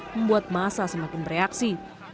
membuat massa semakin bereaksi